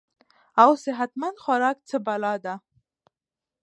او صحت مند خوراک څۀ بلا ده -